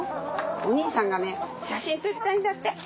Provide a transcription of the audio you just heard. お兄さんがね写真撮りたいんだって。